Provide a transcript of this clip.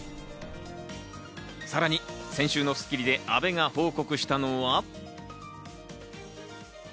さらに先週の『スッキリ』で、阿部が報告したのは。